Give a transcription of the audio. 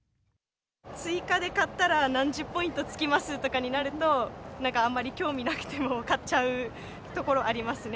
追加で買ったら、何十ポイントつきますとかになると、なんかあんまり興味なくても買っちゃうところ、ありますね。